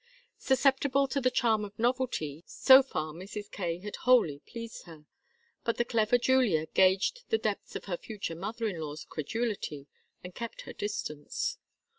Susceptible to the charm of novelty, so far Mrs. Kaye had wholly pleased her; but the clever Julia gauged the depths of her future mother in law's credulity and kept her distance.